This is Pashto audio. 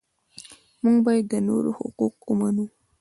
موږ باید د نورو حقوق ومنو.